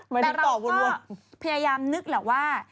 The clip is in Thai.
แต่เราพยายามนึกแหละว่า